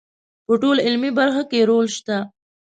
په ټولو علمي برخو کې یې رول شته.